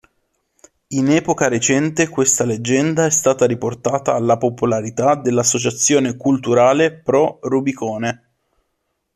In epoca recente questa leggenda è stata riportata alla popolarità dall'associazione culturale "Pro Rubicone".